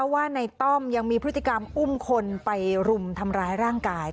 ว่าในต้อมยังมีพฤติกรรมอุ้มคนไปรุมทำร้ายร่างกาย